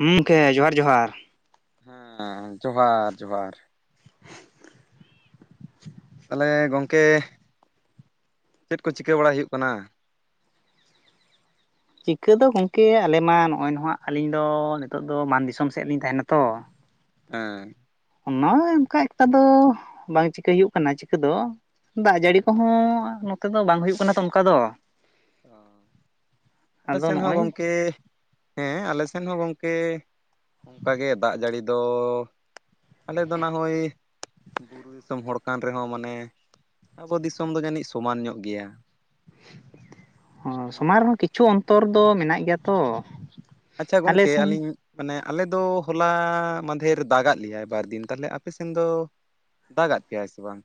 ᱦᱮᱸ ᱜᱚᱢᱠᱮ ᱡᱚᱦᱟᱨ ᱡᱚᱦᱟᱨ᱾ ᱦᱮᱸ ᱡᱚᱦᱟᱨ ᱡᱚᱦᱟᱨ᱾ ᱛᱟᱦᱚᱞᱮ ᱜᱚᱝᱠᱮ ᱪᱮᱫ ᱠᱚ ᱪᱤᱠᱟᱹ ᱵᱟᱲᱟᱭ ᱦᱩᱭᱩᱜ ᱠᱟᱱᱟ᱾ ᱪᱤᱠᱟᱹ ᱫᱚ ᱜᱚᱢᱠᱮ ᱟᱞᱮ ᱢᱟ ᱱᱚᱜᱼᱚᱭ ᱱᱟᱦᱟᱜ ᱟᱹᱞᱤᱧ ᱫᱚ ᱱᱤᱛᱚᱜ ᱫᱚ ᱢᱟᱱ ᱫᱤᱥᱚᱢ ᱥᱮᱫ ᱞᱤᱧ ᱛᱟᱦᱮᱱᱟ ᱛᱚ ᱦᱮᱸ᱾ ᱚᱱᱚᱭ ᱚᱱᱠᱟ ᱮᱠᱛᱟ ᱫᱚ ᱵᱟᱝ ᱪᱤᱠᱟᱹᱭ ᱦᱩᱭᱩᱜ ᱠᱟᱱᱟ ᱪᱤᱠᱟᱹ ᱫᱚ ᱫᱟᱜ ᱡᱟᱹᱲᱤ ᱠᱚᱦᱚᱸ ᱱᱚᱛᱮ ᱫᱚ ᱵᱟᱝ ᱦᱩᱭᱩᱜ ᱠᱟᱱᱟ ᱛᱚ ᱚᱱᱠᱟ ᱫᱚ ᱚ ᱟᱞᱮ ᱟᱫᱚ ᱥᱮᱱ ᱦᱚᱸ ᱱᱚᱜᱼᱚᱭ ᱜᱚᱝᱠᱮ ᱦᱮᱸ ᱟᱞᱮ ᱥᱮᱱ ᱦᱚᱸ ᱜᱚᱝᱠᱮ ᱚᱱᱠᱟ ᱜᱮ ᱫᱟᱜ ᱡᱟᱹᱲᱤ ᱫᱚ ᱟᱞᱮᱫᱚ ᱱᱷᱟᱜ ᱱᱚᱦᱚᱭ ᱵᱩᱨᱩ ᱫᱤᱥᱚᱢ ᱦᱚᱲ ᱠᱟᱱ ᱨᱮᱦᱚᱸ ᱢᱟᱱᱮ ᱟᱵᱚ ᱫᱤᱥᱚᱢ ᱫᱚ ᱡᱟᱹᱱᱤᱡ ᱥᱚᱢᱟᱱ ᱧᱚᱜ ᱜᱮᱭᱟ᱾ ᱚ ᱦᱮᱸ ᱥᱚᱢᱟᱭ ᱨᱮᱦᱚᱸ ᱠᱤᱪᱷᱩ ᱚᱱᱛᱚᱨ ᱫᱚ ᱢᱮᱱᱟᱜ ᱜᱮᱭᱟ ᱛᱚ᱾ ᱟᱪᱪᱷᱟ ᱟᱞᱮ ᱜᱚᱝᱠᱮ ᱥᱮᱱ ᱟᱹᱞᱤᱧᱼᱼ ᱢᱟᱱᱮ ᱟᱞᱮ ᱫᱚ ᱦᱚᱞᱟ ᱢᱟᱫᱷᱮᱨ ᱫᱟᱜᱟᱜ ᱞᱮᱭᱟᱭ ᱵᱟᱨᱫᱤᱱ ᱛᱟᱦᱞᱮ ᱟᱯᱮ ᱥᱮᱱ ᱫᱚ? ᱫᱟᱜᱟᱜ ᱯᱮᱭᱟᱟᱭ ᱥᱮ ᱵᱟᱝ?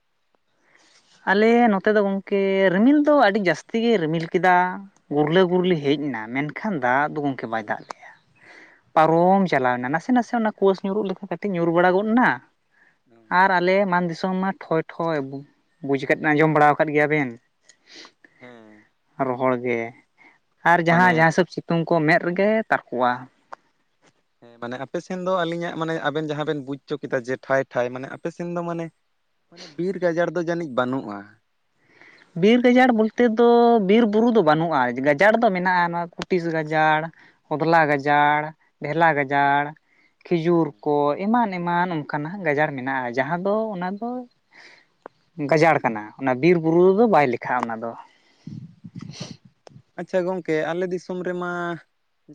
ᱟᱞᱮ ᱱᱚᱛᱮ ᱫᱚ ᱜᱚᱝᱠᱮ ᱨᱤᱢᱤᱞ ᱫᱚ ᱟᱹᱰᱤ ᱡᱟᱹᱥᱛᱤ ᱜᱮ ᱨᱤᱢᱤᱞ ᱠᱮᱫᱟ᱾ ᱜᱩᱨᱞᱟᱹ ᱜᱩᱨᱞᱤ ᱦᱮᱡ ᱮᱱᱟ ᱢᱮᱱᱠᱷᱟᱱ ᱫᱟᱜ ᱫᱚ ᱜᱚᱢᱠᱮ ᱵᱟᱭ ᱫᱟᱜ ᱞᱮᱜᱼᱟ᱾ ᱯᱟᱨᱚᱢ ᱪᱟᱞᱟᱣᱮᱱᱟ ᱱᱟᱥᱮ ᱱᱟᱥᱮ ᱚᱱᱟ ᱠᱩᱣᱟᱹᱥᱟ ᱧᱩᱨᱩᱜ ᱞᱮᱠᱟ ᱠᱟᱹᱴᱤᱡ ᱧᱩᱨ ᱵᱟᱲᱟ ᱜᱚᱫ ᱱᱟ᱾ ᱦᱩᱸ᱾ ᱟᱞᱮ ᱢᱟᱱ ᱫᱤᱥᱚᱢ ᱢᱟ ᱴᱷᱚᱭ ᱴᱷᱚᱭ ᱵᱩᱡ ᱟᱸᱡᱚᱢ ᱵᱟᱲᱟ ᱟᱠᱟᱫ ᱜᱮᱭᱟ ᱵᱮᱱ᱾ ᱦᱮᱸ ᱨᱚᱦᱚᱲ ᱜᱮ ᱟᱨ ᱢᱟᱱᱮ ᱡᱟᱦᱟᱸ ᱡᱟ ᱦᱤᱥᱟᱹᱵᱼᱼ ᱥᱤᱛᱩᱜ ᱠᱚ ᱢᱮᱫ ᱨᱮᱜᱮ ᱛᱟᱨᱠᱚᱜ-ᱟ᱾ ᱦᱮᱸ ᱢᱟᱱᱮ ᱟᱯᱮ ᱥᱮᱱ ᱫᱚ ᱟᱹᱞᱤᱧᱟᱜ ᱢᱟᱱᱮ ᱟᱵᱮᱱ ᱡᱟᱦᱟᱸ ᱵᱮᱱ ᱵᱩᱡᱪᱚ ᱠᱮᱫᱟ ᱡᱮ ᱴᱷᱟᱭ ᱴᱷᱟᱭ ᱢᱟᱱᱮ ᱟᱯᱮ ᱥᱮᱱ ᱫᱚ ᱢᱟᱱᱮᱼᱼ ᱢᱟᱱᱮ ᱵᱤᱨ ᱜᱟᱡᱟᱲ ᱫᱚ ᱡᱟᱹᱱᱤᱡ ᱵᱟᱹᱱᱩᱜᱼᱟ᱾ ᱵᱤᱨ ᱜᱟᱡᱟᱲ ᱵᱚᱞᱛᱮ ᱫᱚ ᱵᱤᱨ ᱵᱩᱨᱩ ᱫᱚ ᱵᱟᱹᱱᱩᱜᱼᱟ, ᱜᱟᱡᱟᱲ ᱫᱚ ᱢᱮᱱᱟᱜᱼᱟ, ᱱᱚᱣᱟ ᱠᱩᱴᱤᱥ ᱜᱟᱡᱟᱲᱼᱼ ᱦᱚᱫᱽᱞᱟ ᱜᱟᱡᱟᱲ ᱰᱷᱮᱞᱟ ᱦᱮᱸ ᱜᱟᱡᱟᱲ ᱠᱷᱤᱡᱩᱨ ᱦᱮᱸ ᱠᱚᱡᱼᱼ ᱮᱢᱟᱱ ᱮᱢᱟᱱ ᱚᱱᱠᱟᱱᱟᱜ ᱜᱟᱡᱟᱲ ᱢᱮᱱᱟᱜᱼᱟ, ᱡᱟᱦᱟᱸ ᱫᱚ ᱚᱱᱟ ᱫᱚᱼᱼ ᱜᱟᱡᱟᱲ ᱠᱟᱱᱟ ᱚᱱᱟ ᱵᱤᱨᱵᱩᱨᱩ ᱨᱮᱫᱚ ᱵᱟᱭ ᱞᱮᱠᱷᱟᱜᱼᱟ ᱚᱱᱟ ᱫᱚ᱾ ᱟᱪᱪᱷᱟ ᱜᱚᱢᱠᱮ ᱟᱞᱮ ᱫᱤᱥᱚᱢ ᱨᱮᱢᱟᱼᱼ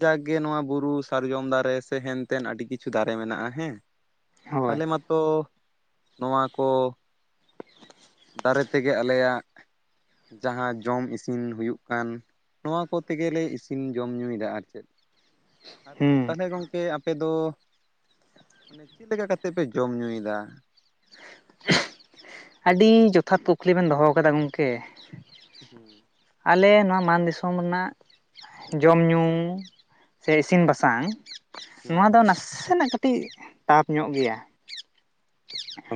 ᱡᱟᱜᱠ ᱜᱮ ᱱᱚᱣᱟ ᱵᱩᱨᱩ ᱥᱟᱨᱡᱚᱢ ᱫᱟᱨᱮ ᱥᱮ ᱦᱮᱱᱛᱮᱱ ᱟᱹᱰᱤ ᱠᱤᱪᱷᱩ ᱫᱟᱨᱮ ᱢᱮᱱᱟᱜᱼᱟ ᱦᱮᱸ᱾ ᱦᱳᱭ ᱟᱞᱮ ᱢᱟᱛᱚ ᱱᱚᱣᱟ ᱠᱚᱼᱼ ᱫᱟᱨᱮ ᱛᱮᱜᱮ ᱟᱞᱮᱭᱟᱜ ᱡᱟᱦᱟᱸ ᱡᱚᱢ ᱤᱥᱤᱱ ᱦᱩᱭᱩᱜ ᱠᱟᱱ᱾ ᱱᱚᱣᱟ ᱠᱚᱛᱮ ᱜᱮᱞᱮ ᱤᱥᱤᱱ ᱡᱚᱢ ᱧᱩᱭᱮᱫᱟ ᱟᱨ ᱪᱮᱫ ᱦᱩᱸ ᱛᱟᱦᱚᱞᱮ ᱜᱚᱢᱠᱮ ᱟᱯᱮᱼᱼ ᱟᱯᱮ ᱫᱚ ᱢᱟᱱᱮ ᱪᱮᱫ ᱞᱮᱠᱟ ᱠᱟᱛᱮᱫ ᱯᱮ ᱡᱚᱢ ᱧᱩᱭᱮᱫᱟ? [unintelligible] ᱟᱹᱰᱤ ᱡᱚᱛᱷᱟᱛ ᱠᱩᱠᱞᱤ ᱵᱮᱱ ᱫᱚᱦᱚ ᱠᱟᱫᱟ ᱜᱚᱢᱠᱮ᱾ ᱦᱮᱸ᱾ ᱟᱞᱮ ᱱᱚᱣᱟ ᱢᱟᱱ ᱫᱤᱥᱚᱢ ᱨᱮᱱᱟᱜ᱾ ᱡᱚᱢ ᱧᱩ ᱥᱮ ᱤᱥᱤᱱ ᱵᱟᱥᱟᱝ᱾ ᱦᱩᱸ ᱱᱚᱣᱟ ᱫᱚ ᱱᱟᱥᱮᱱᱟᱜ ᱠᱟᱹᱴᱤᱡ ᱴᱟᱯ ᱧᱚᱜ ᱜᱮᱭᱟ᱾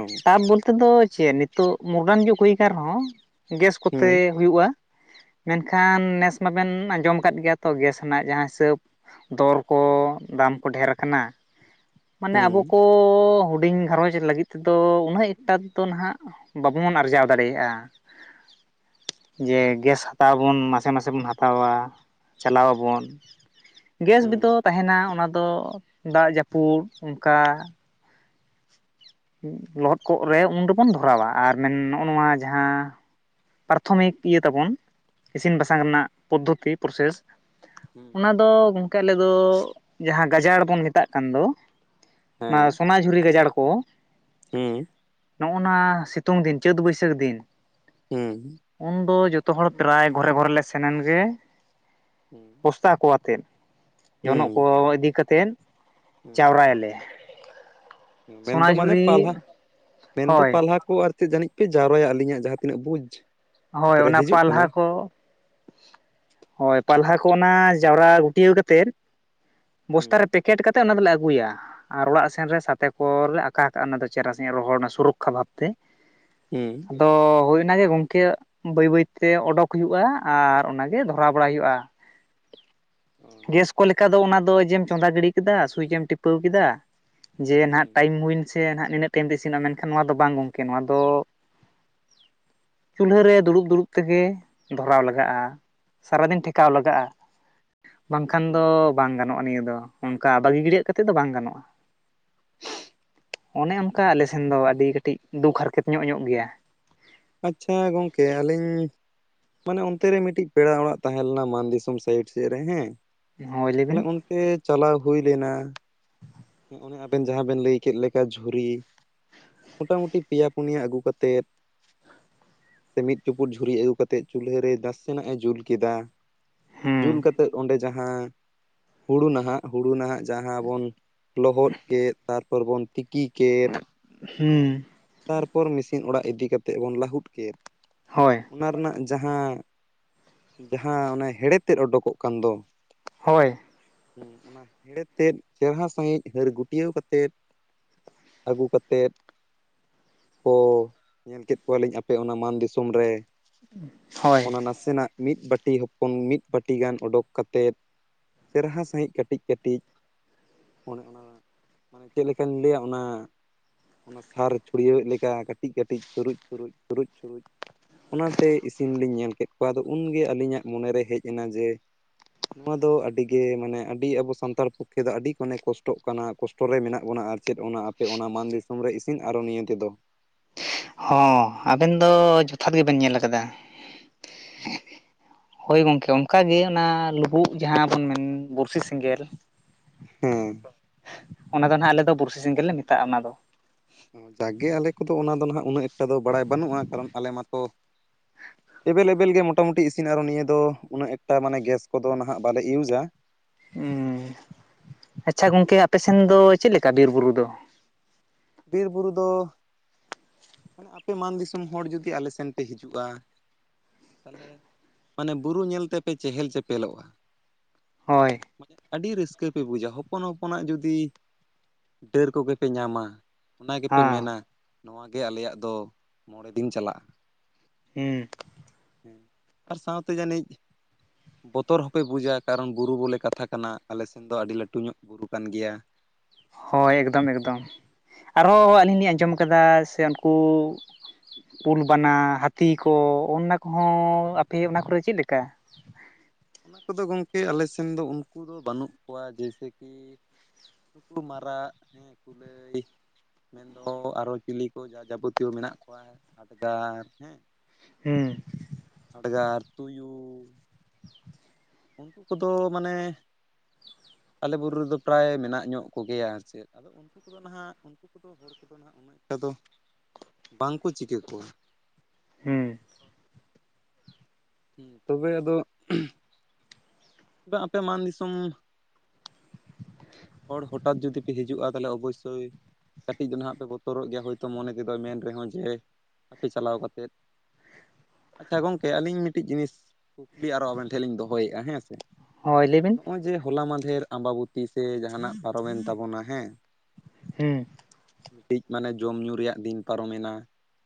ᱚ ᱴᱟᱨ ᱵᱚᱞᱛᱮ ᱫᱚ ᱪᱮᱫ ᱱᱤᱛᱚᱜ ᱢᱚᱰᱟᱨᱱ ᱡᱩᱜᱽ ᱦᱩᱭ ᱠᱟᱱ ᱨᱮᱦᱚᱸᱼᱼ ᱜᱮᱥ ᱦᱩᱸ ᱠᱚᱛᱮ ᱦᱩᱭᱩᱜᱼᱟ᱾ ᱢᱮᱱᱠᱷᱟᱱ ᱱᱮᱥ ᱢᱟᱵᱮᱱ ᱟᱸᱡᱚᱢ ᱟᱠᱟᱫ ᱜᱮᱭᱟ ᱛᱚ ᱜᱮᱥ ᱨᱮᱱᱟᱜ ᱡᱟᱦᱟᱸ ᱦᱤᱥᱟᱹᱵᱼᱼ ᱫᱚᱨ ᱠᱚ ᱫᱟᱢ ᱠᱚ ᱰᱷᱮᱨ ᱠᱟᱱᱟ᱾ ᱢᱟᱱᱮ ᱦᱩᱸ ᱟᱵᱚ ᱠᱚ ᱦᱩᱰᱤᱧ ᱜᱷᱟᱨᱚᱸᱡᱽ ᱞᱟᱹᱜᱤᱫ ᱛᱮᱫᱚ ᱩᱱᱟᱹᱜ ᱮᱠᱴᱟᱼᱼ ᱛᱚᱱ ᱱᱟᱦᱟᱜ ᱵᱟᱵᱚᱱ ᱟᱨᱡᱟᱣ ᱫᱟᱲᱮᱭᱟᱜᱼᱟ᱾ ᱡᱮ ᱜᱮᱥ ᱦᱟᱛᱟᱣ ᱵᱚᱱ ᱢᱟᱥᱮ ᱢᱟᱥᱮ ᱵᱚᱱ ᱦᱟᱛᱟᱣᱟ᱾ ᱪᱟᱞᱟᱣᱟᱵᱚᱱ᱾ ᱜᱮᱥ ᱦᱩᱸ ᱵᱮᱫᱚ ᱛᱟᱦᱮᱱᱟ ᱚᱱᱟᱫᱚ ᱫᱟᱜ ᱡᱟᱹᱯᱩᱫ ᱚᱱᱠᱟᱼᱼ ᱞᱚᱦᱚᱫ ᱠᱚᱜ ᱨᱮ ᱩᱱ ᱫᱚᱵᱚᱱ ᱫᱷᱚᱨᱟᱣᱟ, ᱟᱨ ᱢᱮᱱ ᱱᱚᱜᱼᱚ ᱱᱚᱣᱟ ᱡᱟᱦᱟᱸᱼᱼ ᱯᱟᱨᱛᱷᱚᱢᱤᱠ ᱤᱭᱟᱹ ᱛᱟᱵᱚᱱᱼᱼ ᱤᱥᱤᱱ ᱵᱟᱥᱟᱝ ᱨᱮᱱᱟᱜ ᱯᱚᱫᱽᱫᱷᱚᱛᱤ ᱯᱨᱚᱥᱮᱥ ᱦᱮᱸ ᱦᱩᱸ ᱚᱱᱟ ᱫᱚᱼᱼ ᱟᱞᱮ ᱫᱚ ᱡᱟᱦᱟᱸ ᱜᱟᱡᱟᱲ ᱵᱚᱱ ᱢᱮᱛᱟᱜ ᱠᱟᱱ ᱫᱚ ᱚᱱᱟ ᱦᱮᱸ ᱥᱚᱱᱟᱼᱼ ᱡᱷᱩᱨᱤ ᱜᱟᱡᱟᱲ ᱠᱚ᱾ ᱦᱩᱸ᱾ ᱱᱚᱜᱼᱚᱱᱟ ᱥᱤᱛᱩᱝ ᱫᱤᱱ ᱪᱟᱹᱛ ᱵᱟᱹᱭᱥᱟᱹᱠᱷ ᱫᱤᱱ᱾ ᱦᱩᱸ᱾ ᱩᱱᱫᱚ ᱡᱚᱛᱚ ᱦᱚᱲ ᱯᱨᱟᱭ ᱜᱷᱚᱨᱮ ᱜᱷᱚᱨᱮ ᱞᱮ ᱥᱮᱱᱮᱱᱜᱮᱼᱼ ᱦᱮᱸ᱾ [unintelligible] ᱟᱛᱮᱱ ᱡᱚᱱᱚᱜ ᱠᱚ ᱤᱫᱤ ᱠᱟᱛᱮᱫ ᱦᱩᱸ ᱪᱟᱣᱨᱟᱭᱟᱞᱮ᱾ ᱢᱮᱱᱫᱚ ᱢᱟᱱᱮ ᱯᱟᱞᱦᱟ ᱢᱮᱱᱫᱚ ᱦᱳᱭ ᱯᱟᱞᱦᱟ᱾ ᱠᱚ ᱟᱨ ᱪᱮᱫ ᱡᱟᱹᱱᱤᱡ ᱯᱮ ᱡᱟᱣᱨᱟ ᱟᱜ ᱟᱹᱞᱤᱧᱟ ᱡᱟᱦᱟᱸ ᱛᱤᱱᱟᱹᱜ ᱵᱩᱡᱽ ᱦᱳᱭ ᱨᱮ ᱚᱱᱟ ᱦᱤᱡᱩᱜ ᱠᱟᱱᱟ ᱯᱟᱞᱦᱟ ᱠᱚ ᱦᱳᱭ ᱯᱟᱞᱦᱟ ᱠᱚ ᱚᱱᱟ ᱡᱟᱣ ᱨᱟ ᱜᱩᱴᱭᱟᱹᱣ ᱠᱟᱛᱮᱫ ᱵᱚᱥᱛᱟ ᱨᱮ ᱦᱩᱸ ᱯᱮᱠ ᱠᱮᱴ ᱠᱟᱛᱮᱫ ᱚᱱᱟ ᱫᱚ ᱞᱮ ᱟᱹᱜᱩ ᱭᱟ᱾ ᱟᱨ ᱚᱲᱟᱜ ᱥᱮᱱ ᱨᱮ ᱥᱟᱛᱮ ᱠᱚ ᱨᱮ ᱞᱮ ᱟᱠᱟ ᱠᱟᱜᱼᱟ ᱚᱱᱟ ᱫᱚ ᱪᱮᱨᱦᱟ ᱥᱟᱸᱦᱤᱡ ᱨᱚᱦᱚᱲ ᱨᱮᱱᱟᱜ ᱥᱩᱨᱚᱠ ᱠᱷᱟ ᱵᱷᱟᱵ ᱛᱮ [unintelligible] ᱟᱫᱚ ᱦᱩᱭ ᱚᱱᱟ ᱜᱮ ᱜᱚᱝ ᱠᱮ ᱵᱟᱹᱭ ᱵᱟᱹᱭ ᱛᱮ ᱚᱰᱚᱠ ᱦᱩᱭᱩᱜᱼᱟ ᱟᱨ ᱚᱱᱟ ᱜᱮ ᱫᱷᱚᱨᱟᱣ ᱵᱟᱲᱟᱭ ᱦᱩᱭᱩᱜᱼᱟ᱾ ᱜᱮᱥ ᱦᱩᱸ ᱠᱚ ᱞᱮᱠᱟ ᱫᱚ ᱚᱱᱟ ᱫᱚ ᱡᱮᱢ ᱪᱚᱸᱫᱟ ᱜᱤᱲᱤ ᱠᱮ ᱫᱟ ᱥᱩᱭᱤᱪ ᱮᱢ ᱴᱤᱯᱟᱹᱣ ᱠᱮᱫᱟ᱾ ᱡᱮ ᱱᱟᱦᱟᱜ ᱴᱟᱭᱤᱢ ᱦᱩᱭ ᱮᱱ ᱥᱮ ᱱᱟᱜ ᱱᱤᱱᱟᱹᱜ ᱴᱟᱭᱤᱢ ᱛᱮ ᱤᱥᱤᱱᱚᱜᱼᱟ᱾ ᱢᱮᱱ ᱠᱷᱟᱱ ᱱᱚᱣᱟ ᱫᱚ ᱵᱟᱝ ᱜᱚᱝᱠᱮ ᱱᱚᱣᱟ ᱫᱚ ᱪᱩᱞᱦᱟᱹ ᱨᱮ ᱫᱩᱲᱩᱵ ᱫᱩᱲᱩᱵ ᱛᱮ ᱜᱮ ᱫᱷᱚᱨᱟᱣ ᱞᱟᱜᱟᱜᱼᱟ ᱥᱟᱨᱟ ᱫᱤᱱ ᱴᱷᱮᱠᱟᱣ ᱞᱟᱜᱟᱜᱼᱟ᱾ ᱵᱟᱝ ᱠᱷᱟᱱ ᱦᱩᱸ ᱫᱚ ᱵᱟᱝ ᱜᱟᱱᱚᱜᱼᱟ᱾ ᱱᱤᱭᱟᱹ ᱫᱚ ᱚᱱᱠᱟ ᱵᱟᱹᱜᱤ ᱜᱤᱲ ᱭᱟᱹᱜ ᱠᱟᱛᱮᱫ ᱫᱚ ᱵᱟᱝ ᱜᱟᱱᱚᱜᱼᱟ᱾ ᱚᱱᱮ ᱚᱱᱠᱟ ᱟᱞᱮ ᱥᱮᱱ ᱫᱚ ᱟᱹᱰᱤ ᱠᱟᱹᱴᱤᱡ ᱫᱩᱠ ᱦᱟᱨ ᱠᱮᱛ ᱧᱚᱜ ᱧᱚᱜ ᱜᱮᱭᱟ᱾ ᱟᱪᱪᱷᱟ ᱜᱚᱝᱠᱮ ᱟᱹᱞᱤᱧ ᱢᱟᱱᱮ ᱚᱱᱛᱮ ᱨᱮ ᱢᱤᱫ ᱴᱤᱡ ᱯᱮᱲᱟ ᱚᱲᱟᱜ ᱛᱟᱦᱮᱸ ᱞᱮᱱᱟ᱾ ᱢᱟᱱ ᱫᱤᱥᱚᱢ ᱥᱟᱭᱤᱰ ᱥᱮᱫ ᱨᱮ ᱦᱮᱸ ᱦᱳᱭ ᱞᱟᱹᱭ ᱵᱤᱱ ᱛᱮ ᱪᱟᱞᱟᱣ ᱦᱩᱭ ᱞᱮᱱᱟ᱾ ᱚᱱᱮ ᱟᱵᱮᱱ ᱡᱟᱦᱟᱸ ᱵᱮᱱ ᱞᱟᱹᱭ ᱠᱮᱫ ᱞᱮᱠᱟ ᱡᱷᱩᱨᱤ ᱢᱚᱴ ᱢᱩᱴᱤ ᱯᱮᱭᱟ ᱯᱩᱱᱭᱟ ᱟᱹᱜᱩ ᱠᱟᱛᱮᱫ᱾ ᱥᱮ ᱢᱤᱫ ᱪᱩᱯᱩᱫ ᱡᱷᱩᱨᱤ ᱟᱹᱜᱩ ᱠᱟᱛᱮᱫ ᱪᱩᱞᱦᱟᱹ ᱨᱮ ᱫᱟᱥᱮ ᱱᱟᱜ ᱮ ᱡᱩᱞ ᱠᱮᱫᱟ᱾ ᱦᱩᱸ ᱡᱩᱞ ᱠᱟᱛᱮᱫ ᱚᱸᱰᱮ ᱡᱟᱦᱟᱭ ᱦᱩᱲᱩ ᱱᱟᱦᱟᱜ ᱦᱩᱲᱩ ᱱᱟᱦᱟᱜ ᱡᱟᱦᱟ ᱵᱚᱱ ᱞᱚᱦᱚᱫ ᱠᱮᱫ ᱛᱟᱨ ᱯᱚᱨ ᱵᱚᱱ ᱛᱤ ᱠᱤ ᱠᱮᱫ ᱦᱩᱸ ᱦᱮᱸ ᱛᱟᱨ ᱯᱚᱨ ᱢᱤᱥᱤᱱ ᱚᱲᱟᱜ ᱤᱫᱤ ᱠᱟᱛᱮᱫ ᱵᱚᱱ ᱞᱟᱹᱦᱩᱫ ᱠᱮᱫ᱾ ᱦᱚᱭ ᱚᱱᱟ ᱨᱮᱱᱟᱜ ᱡᱟᱦᱟ ᱡᱟᱦᱟ ᱚᱱᱮ ᱦᱮ ᱲᱮ ᱛᱮᱫ ᱚᱰᱳᱠ ᱠᱚᱜ ᱠᱟᱱ ᱫᱚ ᱦᱚᱭ ᱦᱩ ᱚᱱᱟ ᱦᱮᱲᱮ ᱛᱮᱫ ᱪᱮᱨ ᱦᱟ ᱥᱟᱦᱤᱡ ᱦᱟᱹᱨ ᱜᱩᱴᱭᱟᱹᱣ ᱠᱟᱛᱮᱫ ᱟᱹᱜᱩ ᱠᱟᱛᱮᱫ᱾ ᱠᱚ ᱧᱮᱞ ᱠᱮᱫ ᱠᱚᱣᱟ ᱞᱤᱧ ᱟᱯᱮ ᱚᱱᱟ ᱢᱟᱱ ᱫᱤᱥᱚᱢ ᱨᱮ ᱦᱳᱭ ᱚᱱᱟ ᱱᱟᱥᱮ ᱱᱟᱜ ᱢᱤᱫ ᱵᱟᱹᱴᱤ ᱦᱚᱯᱚᱱ ᱢᱤᱫ ᱵᱟᱹᱴᱤ ᱜᱟᱱ ᱚᱰᱳᱠ ᱠᱟᱛᱮᱫ᱾ ᱪᱮᱨ ᱦᱟ ᱥᱟᱹᱦᱤᱡ ᱠᱟᱹᱴᱤᱡ ᱠᱟᱹᱴᱤᱡ ᱚᱱᱮ ᱚᱱᱟ ᱢᱟᱱᱮ ᱪᱮᱫ ᱞᱮᱠᱟᱧ ᱞᱟᱹᱭᱟ ᱚᱱᱟ ᱚᱱᱟ ᱥᱟᱨ ᱪᱷᱩᱲ ᱭᱟᱹᱣ ᱮᱫ ᱞᱮᱠᱟ ᱠᱟᱹᱴᱤᱡ ᱠᱟᱹᱴᱤᱡ ᱪᱩᱨᱩᱡ ᱪᱩᱨᱩᱡ ᱪᱩᱨᱩᱡ ᱪᱩᱨᱩᱡ ᱚᱱᱟ ᱛᱮ ᱤᱥᱤᱱ ᱞᱤᱧ ᱧᱮᱞ ᱠᱮᱫ ᱠᱚᱣᱟ ᱟᱫᱚ ᱩᱱ ᱜᱮ ᱟᱹᱞᱤᱧ ᱟᱜ ᱢᱚᱱᱮ ᱨᱮ ᱦᱮᱡ ᱮᱱᱟ ᱡᱮ ᱱᱚᱣᱟ ᱫᱚ ᱟᱹᱰᱤ ᱜᱮ ᱢᱟᱱᱮ ᱟᱹᱰᱤ ᱟᱵᱚ ᱥᱟᱱᱛᱟᱲ ᱯᱚᱠᱷᱮ ᱫᱚ ᱟᱹᱰᱤ ᱢᱟᱱᱮ ᱠᱚᱥᱴᱚᱜ ᱠᱟᱱᱟ ᱠᱚᱥᱴᱚ ᱨᱮ ᱢᱮᱱᱟᱜ ᱵᱚᱱᱟ ᱟᱨ ᱪᱮᱫ ᱚᱱᱟ ᱟᱯᱮ ᱚᱱᱟ ᱢᱟᱱ ᱫᱤᱥᱚᱢ ᱨᱮ ᱤᱥᱤᱱ ᱟᱨᱚ ᱱᱤᱭᱟᱹ ᱛᱮ ᱫᱚ ᱦᱚᱸ ᱟᱵᱮᱱ ᱫᱚ ᱡᱚᱛᱷᱟᱛ ᱜᱮ ᱵᱮᱱ ᱧᱮᱞ ᱠᱟᱫᱟ᱾ ᱦᱳᱭ ᱜᱚᱝᱠᱮ ᱚᱱᱠᱟ ᱜᱮ ᱚᱱᱟ ᱞᱩᱵᱩᱜ ᱡᱟᱦᱟ ᱵᱚᱱ ᱢᱮᱱ ᱵᱩᱨᱥᱤ ᱥᱮᱸᱜᱮᱞ ᱦᱮᱸ ᱚᱱᱟ ᱫᱚ ᱱᱟᱜ ᱟᱞᱮ ᱫᱚ ᱵᱩᱨᱥᱤ ᱥᱮᱸᱜᱮᱞ ᱞᱮ ᱢᱮᱛᱟᱜᱼᱟ ᱚᱱᱟ ᱫᱚ ᱡᱟᱜᱮ ᱟᱞᱮ ᱠᱚᱫᱚ ᱚᱱᱟ ᱫᱚ ᱱᱟᱦᱟᱜ ᱩᱱᱟᱹᱜ ᱮᱠᱴᱟ ᱫᱚ ᱵᱟᱲᱟᱭ ᱵᱟᱹᱱᱩᱜᱼᱟ ᱠᱟᱨᱚᱱ ᱟᱞᱮ ᱢᱟᱛᱚ ᱮᱵᱮᱞ ᱮᱵᱮᱞ ᱜᱮ ᱢᱚᱴᱟ ᱢᱩᱴᱤ ᱤᱥᱤᱱ ᱟᱨᱚ ᱱᱤᱭᱟᱹ ᱫᱚ ᱩᱱᱟᱹᱜ ᱮᱠᱴᱟ ᱢᱟᱱᱮ ᱜᱮᱥ ᱠᱚᱫᱚ ᱱᱟᱦᱟᱜ ᱵᱟᱞᱮ ᱤᱭᱩᱡᱟ ᱦᱩ ᱟᱪᱪᱷᱟ ᱜᱚᱝᱠᱮ ᱟᱯᱮ ᱥᱮᱱ ᱫᱚ ᱪᱮᱫ ᱞᱮᱠᱟ ᱵᱤᱨ ᱵᱩᱨᱩ ᱫᱚ ᱵᱤᱨ ᱵᱩᱨᱩ ᱫᱚ ᱢᱟᱱᱮ ᱟᱯᱮ ᱢᱟᱱ ᱫᱤᱥᱚᱢ ᱦᱚᱲ ᱡᱩᱫᱤ ᱟᱞᱮ ᱥᱮᱱ ᱯᱮ ᱦᱤᱡᱩᱜᱼᱟ᱾ ᱛᱟᱞᱦᱮ ᱢᱟᱱᱮ ᱵᱩᱨᱩ ᱧᱮᱞ ᱛᱮᱯᱮ ᱪᱮᱦᱮᱞ ᱪᱮᱯᱮᱞᱚᱜᱼᱟ᱾ ᱦᱚᱭ ᱢᱟᱱᱮ ᱟᱹᱰᱤ ᱨᱟᱹᱥᱠᱟᱹ ᱯᱮ ᱵᱩᱡᱟ ᱦᱚᱯᱚᱱ ᱦᱚᱯᱚᱱ ᱟᱜ ᱡᱩᱫᱤ ᱰᱟᱹᱨ ᱠᱚ ᱜᱮ ᱯᱮ ᱧᱟᱢᱟ᱾ ᱚᱱᱟ ᱜᱮ ᱯᱮ ᱦᱮᱸ ᱢᱮᱱᱟ ᱱᱚᱣᱟ ᱜᱮ ᱟᱞᱮ ᱭᱟᱜ ᱫᱚ ᱢᱚᱬᱮ ᱫᱤᱱ ᱪᱟᱞᱟᱜᱼᱟ᱾ ᱦᱩᱸ ᱦᱩ ᱟᱨ ᱥᱟᱶ ᱛᱮ ᱡᱟᱹᱱᱤᱡ ᱵᱚᱛᱚᱨ ᱦᱚᱸᱯᱮ ᱵᱩᱡᱟ ᱠᱟᱨᱚᱱ ᱵᱩᱨᱩ ᱵᱚᱞᱮ ᱠᱟᱛᱷᱟ ᱠᱟᱱᱟ ᱟᱞᱮ ᱥᱮᱱ ᱫᱚ ᱟᱹᱰᱤ ᱞᱟᱹᱴᱩ ᱧᱚᱜ ᱵᱩᱨᱩ ᱠᱟᱱ ᱜᱮᱭᱟ᱾ ᱦᱳᱭ ᱦᱮᱸ ᱮᱠᱫᱚᱢ ᱮᱠᱫᱚᱢ ᱟᱨ ᱦᱚᱸ ᱟᱹᱞᱤᱧ ᱦᱮᱸ ᱞᱤᱧ ᱟᱸᱡᱚᱢ ᱠᱟᱫᱟ ᱥᱮ ᱩᱱᱠᱩ ᱠᱩᱞ ᱵᱟᱱᱟ ᱦᱟᱹᱛᱤ ᱠᱚ ᱚᱱᱟ ᱠᱚ ᱦᱚᱸ ᱟᱯᱮ ᱚᱱᱟ ᱠᱚ ᱨᱮ ᱪᱮᱫ ᱞᱮᱠᱟ? ᱚᱱᱟ ᱠᱚᱫᱚ ᱜᱚᱢᱠᱮ ᱟᱞᱮ ᱥᱮᱱ ᱫᱚ ᱩᱱᱠᱩ ᱫᱚ ᱵᱟᱹᱱᱩᱜ ᱠᱚᱣᱟ ᱡᱮᱭᱥᱮ ᱠᱤ ᱱᱩᱠᱩ ᱢᱟᱨᱟᱜ ᱦᱮᱸ ᱠᱩᱞᱟᱹᱭ᱾ ᱢᱮᱱᱫᱚ ᱟᱨᱚ ᱪᱤᱞᱤ ᱠᱚ ᱡᱟ ᱡᱟᱵᱚᱛᱤᱭᱚ ᱢᱮᱱᱟᱜ ᱠᱚᱣᱟ ᱦᱟᱰᱜᱟᱨ ᱦᱮᱸ᱾ ᱦᱩᱸ᱾ ᱦᱟᱰᱜᱟᱨ, ᱛᱩᱭᱩ᱾ ᱩᱱᱠᱩ ᱠᱚᱫᱚ ᱢᱟᱱᱮ ᱟᱞᱮ ᱵᱩᱨᱩ ᱨᱮᱫᱚ ᱯᱨᱟᱭ ᱢᱮᱱᱟᱜ ᱧᱚᱜ ᱠᱚᱜᱮᱭᱟ᱾ ᱟᱨ ᱪᱮᱫ ᱟᱫᱚ ᱩᱱᱠᱩ ᱠᱚᱫᱚ ᱱᱟᱦᱟᱜ ᱩᱱᱠᱩ ᱠᱚᱫᱚ ᱦᱚᱲ ᱠᱚᱫᱚ ᱱᱟᱦᱟᱜ ᱩᱱᱟᱹᱜ ᱮᱴᱟ ᱫᱚ ᱵᱟᱝᱠᱚ ᱪᱤᱠᱟᱹ ᱠᱚᱣᱟ᱾ ᱦᱩᱸ᱾ ᱦᱩᱸ ᱛᱚᱵᱮ ᱟᱫᱚ ᱟᱯᱮ ᱢᱟᱱ ᱫᱤᱥᱚᱢ ᱦᱚᱲ ᱦᱚᱴᱟᱛ ᱡᱩᱫᱤ ᱯᱮ ᱦᱤᱡᱩᱜ-ᱟ ᱛᱟᱦᱚᱞᱮ ᱚᱵᱚᱥᱥᱳᱭ ᱠᱟᱹᱴᱤᱡ ᱫᱚ ᱱᱟᱦᱟᱜ ᱯᱮ ᱵᱚᱛᱚᱨᱚᱜ ᱜᱮᱭᱟ ᱦᱳᱭᱛᱳ ᱢᱚᱱᱮ ᱛᱮᱫᱚᱭ ᱢᱮᱱ ᱨᱮᱦᱚᱸ ᱡᱮ ᱟᱯᱮ ᱪᱟᱞᱟᱣ ᱠᱟᱛᱮᱫ᱾ ᱟᱪᱪᱷᱟ ᱜᱚᱝᱠᱮ ᱟᱹᱞᱤᱧ ᱢᱤᱫᱴᱤᱡ ᱡᱤᱱᱤᱥ ᱠᱩᱠᱞᱤ ᱟᱨᱚ ᱟᱵᱮᱱ ᱴᱷᱮᱡ ᱞᱤᱧ ᱫᱚᱦᱚᱭᱮᱫ-ᱟ ᱦᱮᱸᱥᱮ? ᱦᱳᱭ ᱞᱟᱹᱭ ᱵᱤᱱ ᱱᱚᱜ-ᱚᱭ ᱡᱮ ᱦᱚᱞᱟ ᱢᱟᱫᱷᱮᱨ ᱟᱢᱵᱟᱵᱚᱛᱤ ᱥᱮ ᱡᱟᱦᱟᱱᱟᱜ ᱯᱟᱨᱚᱢᱮᱱ ᱛᱟᱵᱚᱱᱟ ᱦᱮᱸ᱾ ᱦᱩᱸ᱾ ᱢᱤᱫᱴᱤᱡ ᱢᱟᱱᱮ ᱡᱚᱢ ᱧᱩ ᱨᱮᱭᱟᱜ ᱫᱤᱱ ᱯᱟᱨᱚᱢᱮᱱᱟ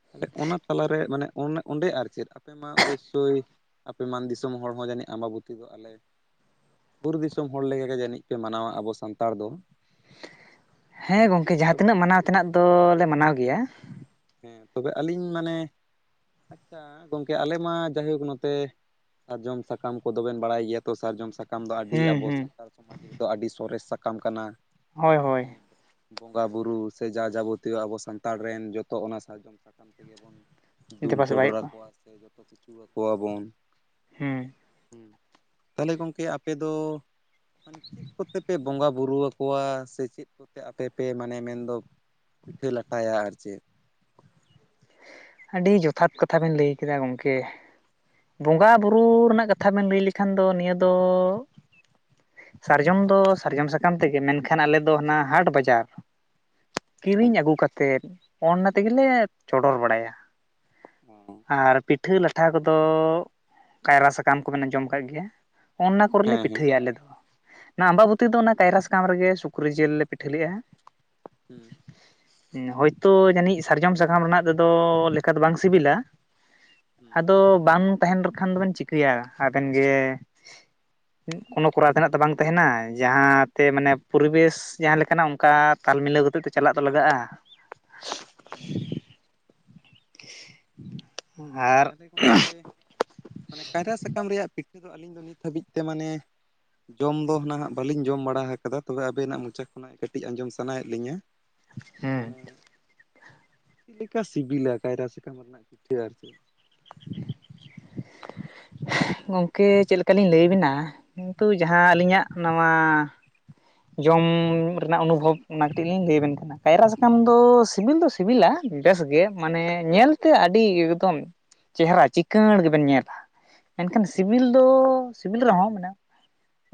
ᱛᱟᱦᱚᱞᱮ ᱚᱱᱟ ᱛᱟᱞᱟᱨᱮ ᱢᱟᱱᱮ ᱚ ᱚᱸᱰᱮ ᱟᱨ ᱪᱮᱫ ᱟᱯᱮ ᱢᱟ ᱚᱵᱚᱥᱥᱳᱭ ᱟᱯᱮ ᱢᱟᱱ ᱫᱤᱥᱚᱢ ᱦᱚᱲ ᱦᱚᱸ ᱡᱟᱹᱱᱤᱡ ᱟᱢᱵᱟᱵᱚᱛᱤ ᱫᱚ ᱟᱞᱮ ᱵᱩᱨᱩ ᱫᱤᱥᱚᱢ ᱦᱚᱲ ᱞᱮᱠᱟᱜᱮ ᱡᱟᱹᱱᱤᱡ ᱯᱮ ᱢᱟᱱᱟᱣᱟ ᱟᱵᱚ ᱥᱟᱱᱛᱟᱲ ᱫᱚ᱾ ᱦᱮᱸ ᱜᱚᱝᱠᱮ ᱡᱟᱦᱟᱸ ᱛᱤᱱᱟᱹᱜ ᱢᱟᱱᱟᱣ ᱛᱮᱱᱟᱜ ᱫᱚᱞᱮ ᱢᱟᱱᱟᱣ ᱜᱮᱭᱟ᱾ ᱦᱮᱸ ᱛᱚᱵᱮ ᱟᱹᱞᱤᱧ ᱢᱟᱱᱮ ᱟᱪᱪᱷᱟ ᱜᱚᱢᱠᱮ ᱟᱞᱮ ᱢᱟ ᱡᱟᱭᱦᱳᱠ ᱱᱚᱛᱮ ᱥᱟᱨᱡᱚᱢ ᱥᱟᱠᱟᱢ ᱠᱚᱫᱚᱵᱮᱱ ᱵᱟᱲᱟᱭ ᱜᱮᱭᱟ ᱛᱚ ᱥᱟᱨᱡᱚᱢ ᱥᱟᱠ ᱠᱟᱢ ᱫᱚ ᱟᱹᱰᱤ ᱦᱩᱸ ᱟᱵᱚ ᱦᱩᱸ ᱥᱟᱱᱛᱟᱲ ᱥᱚᱢᱟᱡᱽ ᱨᱮᱫᱚ ᱟᱹᱰᱤ ᱥᱚᱨᱮᱥ ᱥᱟᱠᱟᱢ ᱠᱟᱱᱟ ᱦᱳᱭ ᱦᱳᱭ ᱦᱮᱸ᱾ ᱵᱚᱸᱜᱟ ᱵᱩᱨᱩ ᱥᱮ ᱡᱟ-ᱡᱟᱵᱚᱛᱤᱭᱚ ᱟᱵᱚ ᱥᱟᱱᱛᱟᱲ ᱨᱮᱱ ᱡᱚᱛᱚ ᱚᱱᱟ ᱥᱟᱨᱡᱚᱢ ᱥᱟᱠᱟᱢ ᱛᱮᱜᱮ ᱵᱚᱱ ᱫᱩᱞ ᱫᱮᱵᱟ ᱪᱚᱰᱚᱨ ᱥᱮᱵᱟᱭᱮᱫ ᱠᱚᱣᱟ ᱟᱠᱚᱣᱟ ᱥᱮ ᱡᱚᱛᱚ ᱠᱤᱪᱷᱩ ᱟᱠᱚᱣᱟ ᱵᱚᱱ᱾ ᱦᱮᱸ᱾ ᱦᱩᱸ, ᱛᱟᱦᱚᱞᱮ ᱜᱚᱢᱠᱮ ᱟᱯᱮ ᱫᱚ ᱢᱟᱱᱮ ᱪᱮᱫ ᱠᱚᱛᱮ ᱯᱮ ᱵᱚᱸᱜᱟ ᱵᱩᱨᱩ ᱟᱠᱚᱣᱟ᱾ ᱥᱮ ᱪᱮᱫ ᱠᱚᱛᱮ ᱟᱯᱮ ᱯᱮ ᱢᱟᱱᱮ ᱢᱮᱱᱫᱚ ᱯᱤᱴᱷᱟᱹ ᱞᱟᱴᱟᱭᱟ ᱟᱨ ᱪᱮᱫ? ᱟᱹᱰᱤ ᱡᱚᱛᱷᱟᱛ ᱠᱟᱛᱷᱟ ᱵᱮᱱ ᱞᱟᱹᱭ ᱠᱟᱫᱟ ᱜᱚᱢᱠᱮ᱾ ᱵᱚᱸᱜᱟ ᱵᱩᱨᱩ ᱨᱮᱱᱟᱜ ᱠᱟᱛᱷᱟ ᱵᱮᱱ ᱞᱟᱹᱭ ᱞᱮᱠᱷᱟᱱ ᱫᱚ ᱱᱤᱭᱟᱹ ᱫᱚ ᱥᱟᱨᱡᱚᱢ ᱫᱚ ᱥᱟᱨᱡᱚᱢ ᱥᱟᱠᱟᱢ ᱛᱮᱜᱮ ᱢᱮᱱᱠᱷᱟᱱ ᱟᱞᱮ ᱫᱚ ᱦᱟᱱᱟ ᱦᱟᱴ ᱵᱟᱡᱟᱨ᱾ ᱚᱸ ᱠᱤᱨᱤᱧ ᱟᱹᱜᱩ ᱠᱟᱛᱮᱫ ᱚᱱᱱᱟ ᱛᱮᱜᱮᱞᱮ ᱪᱚᱰᱚᱨ ᱵᱟᱲᱟᱭᱟ᱾ ᱚ ᱟᱨ ᱯᱤᱴᱷᱟᱹ ᱞᱟᱴᱷᱟ ᱠᱚᱫᱚ ᱠᱟᱭᱨᱟ ᱥᱟᱠᱟᱢ ᱠᱚᱵᱮᱱ ᱟᱡᱚᱢ ᱟᱠᱟᱫ ᱜᱮᱭᱟ᱾ ᱚᱱᱱᱟ ᱠᱚᱨᱮᱞᱮ ᱦᱮᱸ ᱦᱮᱸ ᱯᱤᱴᱷᱟᱹᱭᱟ ᱟᱞᱮ ᱫᱚ᱾ ᱚᱱᱟ ᱟᱢᱵᱟᱵᱩᱛᱤ ᱨᱮᱫᱚ ᱚᱱᱟ ᱠᱟᱭᱨᱟ ᱥᱟᱠᱟᱢ ᱨᱮᱜᱮ ᱥᱩᱠᱨᱤ ᱡᱤᱞ ᱞᱮ ᱯᱤᱴᱷᱟᱹ ᱞᱮᱫ-ᱟ᱾ ᱦᱩᱸ᱾ ᱦᱳᱭᱛᱳ ᱡᱟᱹᱱᱤᱡ ᱥᱟᱨᱡᱚᱢ ᱥᱟᱠᱟᱢ ᱨᱮᱱᱟᱜ ᱛᱮᱫᱚ ᱞᱮᱠᱟ ᱫᱚ ᱵᱟᱝ ᱥᱤᱵᱤᱞᱟ᱾ ᱦᱩᱸ ᱟᱫᱚ ᱵᱟᱝ ᱛᱟᱦᱮᱱ ᱨᱮᱠᱷᱟᱱ ᱫᱚᱵᱮᱱ ᱪᱤᱠᱟᱹᱭᱟ ᱟᱵᱮᱱ ᱜᱮ ᱠᱳᱱᱳ ᱠᱚᱨᱟᱣ ᱛᱮᱱᱟᱜ ᱛᱚ ᱵᱟᱝ ᱛᱟᱦᱮᱱᱟ ᱡᱟᱦᱟᱸ ᱛᱮ ᱢᱟᱱᱮ ᱯᱚᱨᱤᱵᱮᱥ ᱡᱟᱦᱟᱸ ᱞᱮᱠᱟᱱᱟᱜ ᱚᱱᱠᱟ ᱛᱟᱞ ᱢᱤᱞᱟᱹᱣ ᱠᱟᱛᱮ ᱛᱮ ᱪᱟᱞᱟᱜ ᱫᱚ ᱞᱟᱜᱟᱜ-ᱟ᱾ ᱦᱩᱸ ᱦᱩᱸ᱾ [inaudible] ᱛᱟᱦᱚᱞᱮ ᱜᱚᱢᱠᱮ, ᱢᱟᱱᱮ ᱠᱟᱭᱨᱟ ᱥᱟᱠᱟᱢ ᱨᱮᱭᱟᱜ ᱯᱤᱴᱷᱟᱹ ᱫᱚ ᱟᱹᱞᱤᱧ ᱫᱚ ᱱᱤᱛ ᱦᱟᱹᱵᱤᱡ ᱛᱮ ᱢᱟᱱᱮ ᱡᱚᱢ ᱫᱚ ᱱᱟᱦᱟᱜ ᱵᱟᱹᱞᱤᱧ ᱡᱚᱢ ᱵᱟᱲᱟ ᱠᱟᱫᱟ ᱛᱚᱵᱮ ᱟᱵᱮᱱᱟᱜ ᱢᱚᱪᱟ ᱠᱷᱚᱱᱟᱜ ᱠᱟᱹᱴᱤᱡ ᱟᱸᱡᱚᱢ ᱥᱟᱱᱟᱭᱮᱫ ᱞᱤᱧᱟ᱾ ᱦᱮᱸ ᱢᱟᱱᱮ, ᱪᱮᱫ ᱞᱮᱠᱟ ᱥᱤᱵᱤᱞᱟ ᱠᱟᱭᱨᱟ ᱥᱟᱠᱟᱢ ᱨᱮᱱᱟᱜ ᱯᱤᱴᱷᱟᱹ ᱟᱨ ᱪᱮᱫ? ᱜᱚᱝᱠᱮ ᱪᱮᱫ ᱞᱮᱠᱟ ᱞᱤᱧ ᱞᱟᱹᱭᱟ ᱵᱤᱱᱟ ᱠᱤᱱᱛᱩ ᱡᱟᱦᱟᱸ ᱟᱹᱞᱤᱧᱟᱜ ᱱᱚᱣᱟ, ᱡᱚᱢ ᱨᱮᱱᱟᱜ ᱚᱱᱩᱵᱷᱚᱵ ᱚᱱᱟ ᱠᱟᱹᱴᱤᱡ ᱞᱤᱧ ᱞᱟᱹᱭ ᱟᱵᱤᱱ ᱠᱟᱱᱟ᱾ ᱠᱟᱭᱨᱟ ᱥᱟᱠᱟᱢ ᱫᱚ ᱥᱤᱵᱤᱞ ᱫᱚ ᱥᱤᱵᱤᱞᱟ ᱵᱮᱥ ᱜᱮ ᱢᱟᱱᱮ ᱧᱮᱞ ᱛᱮ ᱟᱹᱰᱤ ᱮᱠᱫᱚᱢ᱾ ᱪᱮᱦᱮᱨᱟ ᱪᱤᱠᱟᱸᱬ ᱜᱮᱵᱮᱱ ᱧᱮᱞᱟ ᱮᱱᱠᱷᱟᱱ ᱦᱩᱸ ᱥᱤᱵᱤᱞ, ᱫᱚ ᱥᱤᱵᱤᱞ ᱨᱮᱦᱚᱸ ᱢᱟᱱᱮ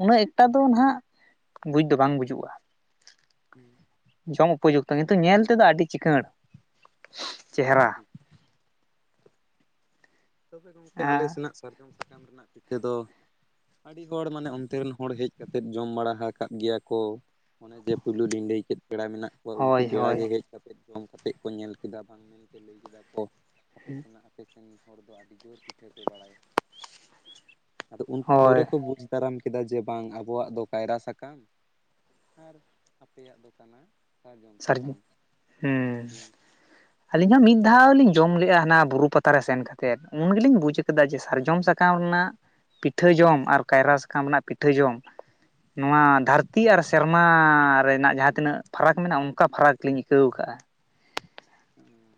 ᱩᱱᱟᱹᱜ ᱮᱠᱴᱟ ᱫᱚ ᱱᱟᱦᱟᱜ ᱵᱩᱡᱽ ᱫᱚ ᱵᱟᱝ ᱵᱩᱡᱩᱜᱼᱟ᱾ ᱦᱩᱸ, ᱡᱚᱢ ᱩᱯᱚ ᱡᱩᱠᱛᱚ ᱠᱤᱱᱛᱩ ᱧᱮᱞ ᱛᱮᱫᱚ ᱟᱹᱰᱤ ᱪᱤᱸᱠᱟᱹᱲ᱾ ᱴᱷᱤᱠ ᱴᱷᱤᱠ, ᱛᱚᱵᱮ ᱜᱚᱢᱠᱮ ᱟᱞᱮ ᱥᱮᱱᱟᱜ ᱥᱟᱨᱡᱚᱢ ᱥᱟᱠᱟᱢ ᱨᱮᱱᱟᱜ ᱯᱤᱴᱷᱟᱹ ᱫᱚ, ᱟᱹᱰᱤ ᱦᱚᱲ ᱢᱟᱱᱮ ᱚᱱᱛᱮᱱ ᱨᱮᱱ ᱦᱚᱲ ᱦᱮᱡ ᱠᱟᱛᱮᱫ ᱡᱚᱢ ᱵᱟᱲᱟ ᱟᱠᱟᱫ ᱜᱮᱭᱟ ᱠᱚ᱾ ᱚᱱᱮ ᱡᱮ ᱯᱩᱭᱞᱩ ᱞᱤᱧ ᱞᱟᱹᱭ ᱠᱮᱫ ᱯᱮᱲᱟ ᱢᱮᱱᱟᱜ ᱩᱱᱠᱩ ᱦᱳᱭ ᱯᱮᱲᱟ ᱦᱳᱭ ᱜᱮ ᱦᱮᱡ ᱠᱟᱛᱮ ᱡᱚᱢ ᱠᱟᱛᱮ ᱠᱚ ᱧᱮᱞ ᱠᱮᱫᱟ ᱵᱟᱝ ᱢᱮᱱᱛᱮ ᱞᱟᱹᱭ ᱠᱮᱫᱟ ᱠᱚ ᱟᱯᱮ ᱥᱮᱱᱟᱜ᱾ ᱟᱯᱮ ᱥᱟᱹᱜᱤᱧ ᱦᱚᱲ ᱫᱚ ᱟᱹᱰᱤ ᱡᱳᱨ ᱯᱤᱴᱷᱟᱹ ᱯᱮ ᱵᱟᱲᱟᱭᱟ᱾ ᱟᱫᱚ ᱩᱱᱠᱩ ᱦᱳᱭ ᱯᱚᱨᱮ ᱠᱚ ᱵᱩᱡᱽ, [inaudible] ᱠᱮᱫᱟ ᱡᱮ ᱵᱟᱝ ᱟᱵᱚᱣᱟᱜ ᱫᱚ ᱠᱟᱭᱨᱟ ᱥᱟᱠᱟᱢ᱾ ᱟᱨ ᱟᱯᱮᱭᱟᱜ ᱫᱚ ᱠᱟᱱᱟ᱾ ᱥᱟᱨᱡᱚᱢ ᱥᱟᱨᱤ ᱦᱩᱸ, ᱥᱟᱠᱟᱢ [unintelligible] ᱟᱹᱞᱤᱧ ᱦᱚᱸ ᱢᱤᱫ ᱫᱷᱟᱣ ᱞᱤᱧ ᱡᱚᱢ ᱞᱮᱜᱼᱟ ᱦᱟᱱᱟ ᱵᱩᱨᱩ ᱯᱟᱛᱟ ᱨᱮ ᱥᱮᱱ ᱠᱟᱛᱮᱫ ᱩᱱ ᱜᱮᱞᱤᱧ ᱵᱩᱡᱽ ᱠᱟᱫᱟ ᱡᱮ ᱥᱟᱨᱡᱚᱢ ᱥᱟᱠᱟᱢ ᱨᱮᱱᱟᱜ, ᱯᱤᱴᱷᱟᱹ ᱡᱚᱢ ᱟᱨ ᱠᱟᱭᱨᱟ ᱥᱟᱠᱟᱢ ᱨᱮᱱᱟᱜ ᱯᱤᱴᱷᱟᱹ ᱡᱚᱢ᱾ ᱱᱚᱣᱟ ᱦᱩᱸ ᱫᱷᱟᱹᱨᱛᱤ ᱟᱨ ᱥᱮᱨᱢᱟ ᱨᱮᱱᱟᱜ ᱡᱟᱦᱟᱸ ᱛᱤᱱᱟᱹᱜ ᱯᱷᱟᱨᱟᱠ᱾ ᱢᱮᱱᱟᱜᱼᱟ ᱚᱝᱠᱟ ᱯᱷᱟᱨᱟᱠ ᱞᱤᱧ ᱟᱹᱭᱠᱟᱹᱣ ᱠᱟᱜᱼᱟ᱾ ᱦᱩᱸ,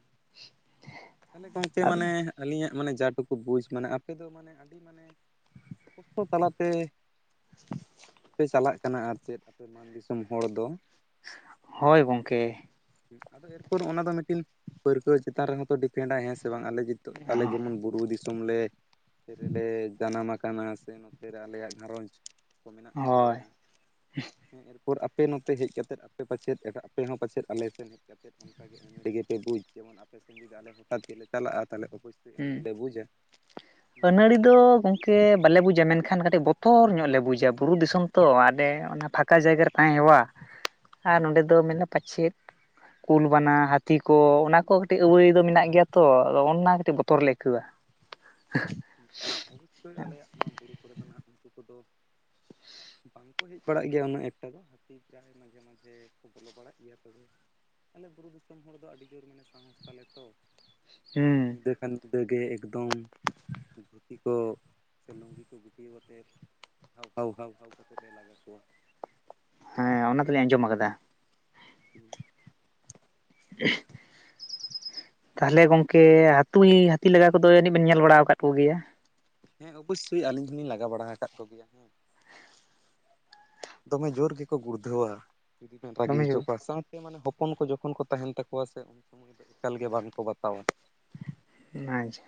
ᱛᱟᱞᱮ ᱜᱚᱝᱠᱮ ᱠᱟᱜᱼᱟ ᱢᱟᱱᱮ ᱟᱹᱞᱤᱧᱟᱜ ᱢᱟᱱᱮ ᱡᱟ ᱴᱩᱠᱩ ᱵᱩᱡᱽ ᱢᱟᱱᱮ ᱟᱯᱮ ᱫᱚ ᱢᱟᱱᱮ ᱟᱹᱰᱤ ᱢᱟᱱᱮ, [inaudible] ᱛᱟᱞᱟᱛᱮ, ᱯᱮ ᱪᱟᱞᱟᱜ ᱠᱟᱱᱟ ᱟᱨ ᱪᱮᱫ ᱟᱯᱮ ᱢᱟᱱ ᱫᱤᱥᱚᱢ ᱦᱚᱲ ᱫᱚ᱾ ᱦᱚᱭ ᱜᱚᱝᱠᱮ᱾ ᱟᱫᱚ ᱮᱨᱯᱚᱨ ᱚᱱᱟ ᱫᱚ ᱢᱤᱫᱴᱤᱱ ᱯᱟᱹᱨᱠᱟᱹᱣ ᱪᱮᱛᱟᱱ ᱨᱮᱦᱚᱸᱛᱚ ᱰᱤᱯᱮᱱᱰᱟᱭ ᱦᱮᱸ ᱥᱮ? ᱥᱮ ᱵᱟᱝ ᱟᱞᱮ ᱡᱤᱛᱩ ᱟᱞᱮ ᱡᱮᱢᱚᱱ ᱵᱩᱨᱩ ᱫᱤᱥᱚᱢ ᱞᱮ, ᱱᱚᱛᱮ ᱨᱮᱞᱮ ᱡᱟᱱᱟᱢ ᱠᱟᱱᱟ ᱥᱮ ᱱᱚᱛᱮ ᱨᱮ ᱟᱞᱮᱭᱟᱜ ᱜᱷᱟᱨᱚᱸᱡᱽ, ᱠᱚ ᱢᱮᱱᱟᱜ ᱦᱳᱭ ᱛᱟᱞᱮᱭᱟ᱾ ᱦᱮᱸ ᱮᱨᱯᱚᱨ ᱟᱯᱮ ᱱᱚᱛᱮ ᱦᱮᱡ ᱠᱟᱛᱮᱫ ᱟᱯᱮ ᱯᱟᱪᱮᱜ ᱮᱴᱟᱜ ᱟᱯᱮ ᱦᱚᱸ ᱯᱟᱪᱮᱫ ᱟᱞᱮ, ᱦᱮᱡ ᱠᱟᱛᱮᱫ ᱚᱱᱠᱟ ᱜᱮ ᱟᱱᱟᱲᱤ ᱜᱮ ᱯᱮ ᱵᱩᱡᱽ ᱡᱮᱢᱚᱱ ᱟᱯᱮ ᱥᱮᱱ ᱡᱩᱫᱤ ᱟᱞᱮ ᱦᱚᱴᱟᱛ ᱜᱮᱞᱮ ᱪᱟᱞᱜ-ᱟ ᱛᱟᱦᱚᱞᱮ ᱚᱵᱚᱥᱚᱭ, ᱦᱩᱸ, ᱟᱱᱟᱹᱲᱤ ᱫᱚ, ᱫᱚ ᱜᱚᱝᱠᱮ ᱵᱟᱞᱮ ᱵᱩᱡᱟ ᱢᱮᱱᱠᱷᱟᱱ ᱠᱟᱹᱴᱤᱡ ᱵᱚᱛᱚᱨ ᱧᱚᱜ ᱞᱮ ᱵᱩᱡᱟ ᱵᱩᱨᱩ ᱫᱤᱥᱚᱢ ᱛᱚ ᱟᱞᱮ, ᱚᱱᱟ ᱯᱷᱟᱸᱠᱟ ᱡᱟᱭᱜᱟ ᱨᱮ ᱛᱟᱦᱮᱸ ᱦᱮᱣᱼᱟ ᱟᱨ ᱱᱚᱸᱰᱮ ᱫᱚ ᱢᱮᱱᱟ ᱯᱟᱪᱮᱜ, ᱠᱩᱞ ᱵᱟᱱᱟ ᱦᱟᱹᱛᱤ ᱠᱚ ᱚᱱᱟ ᱠᱚ ᱠᱟᱹᱴᱤᱡ ᱟᱹᱣᱟᱹᱭ ᱫᱚ ᱢᱮᱱᱟᱜ ᱜᱮᱭᱟ ᱛᱚ ᱟᱫᱚ ᱚᱱᱟ ᱠᱟᱹᱴᱤᱡ ᱵᱚᱛᱚᱨ᱾ ᱵᱚᱛᱚᱨ ᱞᱮ ᱟᱹᱭᱠᱟᱹᱣᱟ᱾ ᱚᱵᱚᱥᱥᱳᱭ ᱟᱞᱮ ᱭᱟᱜ ᱱᱚᱣᱟ ᱵᱩᱨᱩ ᱠᱚᱨᱮ ᱫᱚ ᱦᱟᱸᱜ ᱩᱱᱠᱩ ᱠᱚᱫᱚ᱾ ᱵᱟᱝ ᱠᱚ ᱦᱮᱡ ᱵᱟᱲᱟᱜ ᱜᱮᱭᱟ ᱩᱱᱟᱹᱜ ᱮᱠᱴᱟ ᱫᱚ ᱦᱟᱹᱛᱤ ᱯᱨᱟᱭ ᱢᱟᱡᱷᱮ ᱢᱟᱡᱷᱮ, ᱵᱚᱞᱚ ᱵᱟᱲᱟᱜ ᱜᱮᱭᱟ ᱛᱚᱵᱮ ᱟᱞᱮ ᱵᱩᱨᱩ ᱫᱤᱥᱚᱢ ᱦᱚᱲ ᱫᱚ ᱟᱹᱰᱤ ᱡᱳᱨ ᱢᱟᱱᱮ ᱥᱟᱦᱚᱥ ᱛᱟᱞᱮ ᱛᱚ᱾ ᱦᱟᱱᱮ ᱦᱩᱸ ᱧᱤᱫᱟᱹ ᱠᱷᱟᱱ ᱧᱤᱫᱟᱹ ᱮᱠᱫᱚᱢ᱾ ᱫᱷᱩᱛᱤ ᱠᱚ ᱥᱮ ᱞᱩᱝᱜᱤ ᱠᱚ ᱜᱩᱴ ᱠᱟᱛᱮᱫ ᱡᱷᱟᱣ ᱠᱷᱟᱣ ᱠᱟᱛᱮᱫ ᱞᱮ ᱞᱟᱜᱟ ᱠᱚᱣᱟ᱾ ᱦᱮᱸ ᱚᱱᱟ ᱫᱚᱞᱤᱧ ᱟᱸᱡᱚᱢ ᱠᱟᱫᱟ᱾ ᱦᱩᱸ, [inaudible] ᱛᱟᱦᱚᱞᱮ ᱜᱚᱝᱠᱮ ᱦᱟᱹᱛᱩᱭ ᱦᱟᱹᱛᱤ ᱞᱟᱜᱟ ᱠᱚᱫᱚ ᱡᱟᱹᱱᱤᱡ ᱵᱮᱱ ᱧᱮᱞ ᱵᱟᱲᱟ ᱠᱟᱫ ᱠᱚᱜᱮᱭᱟ᱾ ᱦᱮᱸ ᱚᱵᱚᱥᱥᱳᱭ ᱟᱹᱞᱤᱧ ᱦᱚᱸᱞᱤᱧ ᱞᱟᱜᱟ ᱵᱟᱲᱟ ᱟᱠᱟᱫ ᱠᱚ ᱜᱮᱭᱟ ᱦᱮᱸ ᱫᱚᱢᱮ ᱡᱳᱨ ᱜᱮᱠᱚ ᱜᱩᱲᱫᱷᱟᱹᱣᱟ ᱡᱩᱫᱤ ᱵᱮᱱ ᱨᱟᱹᱜᱤ ᱫᱚᱢᱮ ᱦᱚᱪᱚ ᱡᱳᱨ ᱠᱚᱣᱟ ᱥᱟᱲ ᱢᱟᱱᱮ ᱦᱚᱯᱚᱱ ᱠᱚ ᱡᱚᱠᱷᱚᱱ ᱠᱚ ᱛᱟᱦᱮᱱ ᱛᱟᱠᱚᱣᱟ ᱥᱮ ᱩᱱ ᱥᱩᱢᱚᱭ ᱫᱚ ᱮᱠᱟᱞ ᱜᱮ ᱵᱟᱝᱠᱚ ᱵᱟᱛᱟᱣᱟ ᱾ ᱱᱟᱸᱪᱷ ᱾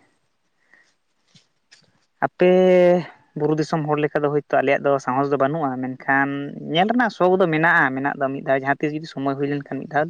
ᱟᱯᱮᱻ ᱾ ᱵᱩᱨᱩ ᱫᱤᱥᱚᱢ ᱦᱚᱲ ᱞᱮᱠᱟ ᱫᱚ ᱦᱳᱭᱛᱚ‌ ᱟᱞᱮᱭᱟᱜ ᱫᱚ ᱥᱟᱸᱦᱚᱥ ᱫᱚ ᱵᱟᱹᱱᱩᱜᱼᱟ ᱢᱮᱱᱠᱷᱟᱱ ᱧᱮᱞ ᱨᱮᱱᱟᱜ ᱥᱚᱠᱷ ᱫᱚ ᱢᱮᱱᱟᱜᱼᱟ ᱢᱮᱱᱟᱜ ᱫᱚ ᱢᱤᱫ ᱟᱨ ᱡᱟᱦᱟᱸ ᱛᱤᱥ ᱡᱩᱫᱤ ᱥᱚᱢᱳᱭ ᱦᱩᱭ ᱞᱮᱱ ᱠᱷᱟᱱ ᱢᱤᱫ ᱫᱷᱟᱣ᱾